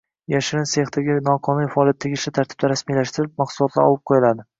Yashirin sexdagi noqonuniy faoliyat tegishli tartibda rasmiylashtirilib, mahsulotlar olib qo`yiladi